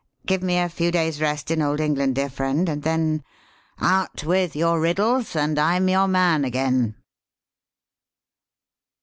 Give me a few days' rest in old England, dear friend, and then out with your riddles and I'm your man again."